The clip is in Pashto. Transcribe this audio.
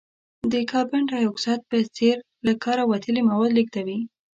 د کاربن ډای اکساید په څېر له کاره وتلي مواد لیږدوي.